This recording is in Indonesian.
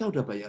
ataupun apa ya